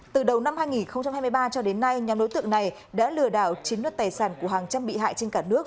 từ đầu năm hai nghìn hai mươi ba cho đến nay nhóm đối tượng này đã lừa đảo chiếm đất tài sản của hàng trăm bị hại trên cả nước